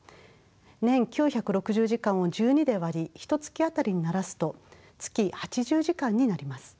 年９６０時間を１２で割りひとつき当たりにならすと月８０時間になります。